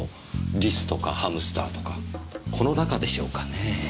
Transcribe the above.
リスとかハムスターとかこの中でしょうかねぇ？